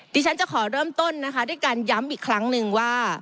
ดิฉันจะขอเริ่มต้นนะคะด้วยการย้ำอีกครั้งหนึ่งว่า